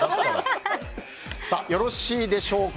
よろしいでしょうか。